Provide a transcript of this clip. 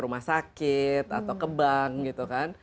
rumah sakit atau ke bank